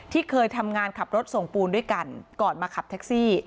เคยทำงานขับรถส่งปูนด้วยกันก่อนมาขับแท็กซี่